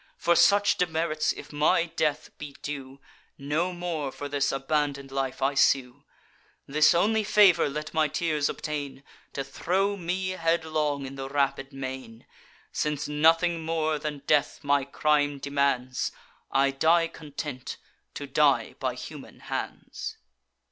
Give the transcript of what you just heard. For such demerits if my death be due, No more for this abandon'd life I sue; This only favour let my tears obtain, To throw me headlong in the rapid main: Since nothing more than death my crime demands, I die content, to die by human hands.